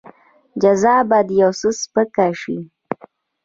جزا به دې يو څه سپکه شي.